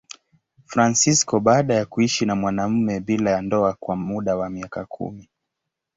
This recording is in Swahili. Fransisko baada ya kuishi na mwanamume bila ya ndoa kwa muda wa miaka kumi.